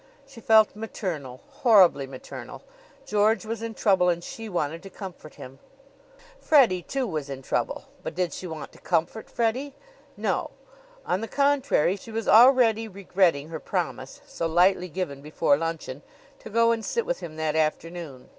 She felt maternal horribly maternal. George was in trouble and she wanted to comfort him. Freddie, too, was in trouble. But did she want to comfort Freddie? No. On the contrary, she was already regretting her promise, so lightly given before luncheon, to go and sit with him that afternoon.